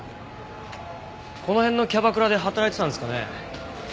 この辺のキャバクラで働いてたんですかね？